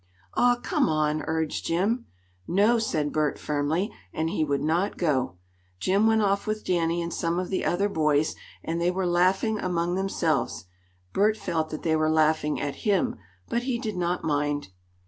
"Aw, come on!" urged Jim. "No," said Bert firmly, and he would not go. Jim went off with Danny and some of the other boys, and they were laughing among themselves. Bert felt that they were laughing at him, but he did not mind.